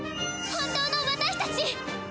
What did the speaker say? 本当の私たち！